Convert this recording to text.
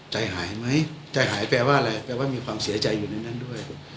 ใจหายไหมใจหายแปลว่าอะไรแปลว่ามีความเสียใจอยู่ในนั้นด้วย